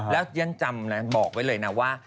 แล้วฉันจำนะบอกไว้เลยนะว่า